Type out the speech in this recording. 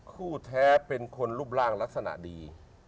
คู่แท้เป็นคนรูปร่างลักษณะดี